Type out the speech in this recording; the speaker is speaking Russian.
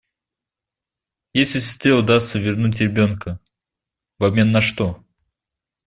Если сестре удастся вернуть ребенка… В обмен на что?